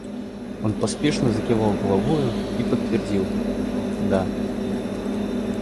Он поспешно закивал головою и подтвердил: — Да.